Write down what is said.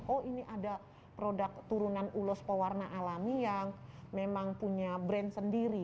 oh ini ada produk turunan ulos pewarna alami yang memang punya brand sendiri